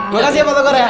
terima kasih pak togar ya